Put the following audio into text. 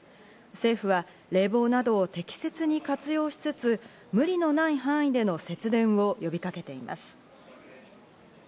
政府は冷房などを適切に活用しつつ、無理のない範囲での節電を呼びかけています。